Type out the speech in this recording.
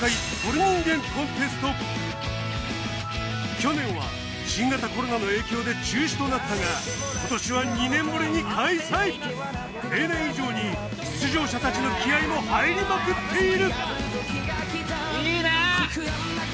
去年は新型コロナの影響で中止となったが例年以上に出場者たちの気合いも入りまくっている！